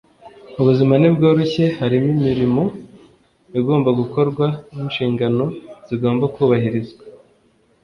Ubuzima ntibworoshye. Hariho imirimo igomba gukorwa n'inshingano zigomba kubahirizwa –